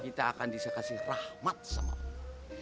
kita akan disekasi rahmat sama allah